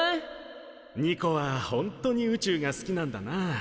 ニコは本当に宇宙が好きなんだな。